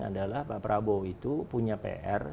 adalah pak prabowo itu punya pr